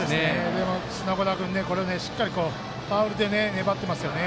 でも、砂子田君しっかりファウルで粘ってますね。